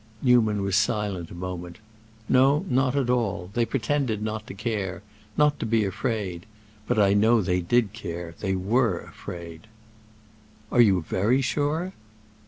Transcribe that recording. Newman was silent a moment. "No, not at all. They pretended not to care—not to be afraid. But I know they did care—they were afraid." "Are you very sure?"